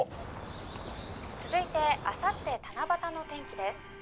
「続いてあさって七夕の天気です」